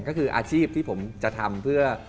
ก็คืออาชีพที่ผมจะทำเพื่อ